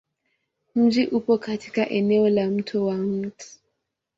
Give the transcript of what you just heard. Mji upo katika eneo la Mto wa Mt.